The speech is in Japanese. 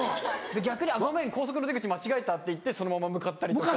逆に「あっごめん高速の出口間違えた」って言ってそのまま向かったりとか。